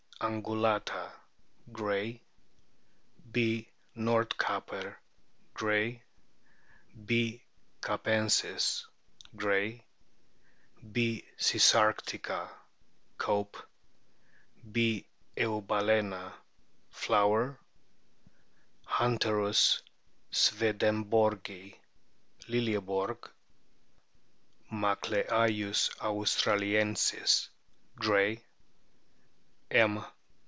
angulata, Gray ; B. nordcaper, Gray ; B. capensis, Gray ; B. cisarctica, Cope ; B. eubal&na. Flower ; HunteriuS swedenborgi, Liljeborg; Macleayins austra liensis, Gray; M.